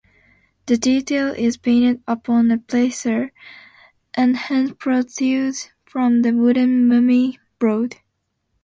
The detail is painted upon the plaster, and hands protrude from the wooden mummy-board.